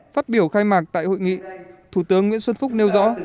phát biểu khai mạc tại hội nghị thủ tướng nguyễn xuân phúc nêu rõ